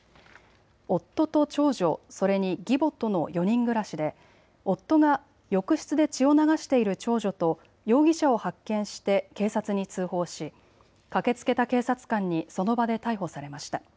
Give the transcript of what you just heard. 夫と長女、それに義母との４人暮らしで夫が浴室で血を流している長女と容疑者を発見して警察に通報し駆けつけた警察官にその場で逮捕されました。